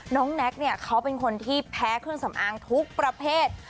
แน็กเนี่ยเขาเป็นคนที่แพ้เครื่องสำอางทุกประเภท